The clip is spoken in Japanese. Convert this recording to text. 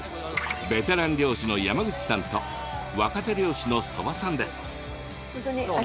ベテラン漁師の山口さんと若手漁師の曽場さんです。